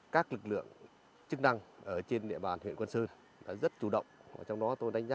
các lực lượng chức năng ở trên địa bàn huyện quang sơn rất chủ động